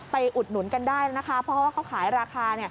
อุดหนุนกันได้นะคะเพราะว่าเขาขายราคา